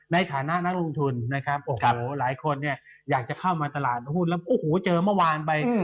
ในฐานะนักลงทุนหลายคนอยากจะเข้ามาตลาดหุ้นแล้วเจอเมื่อวานไป